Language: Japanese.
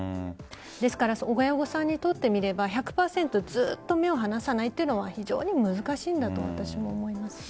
ですから親御さんにとってみれば１００％ずっと目を離さないのは非常に難しいんだと私も思います。